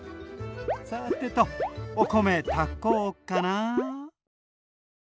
さてとお米炊こうかな。